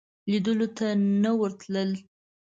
لیدلو ته نه ورتلل.